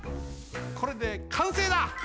これでかんせいだ！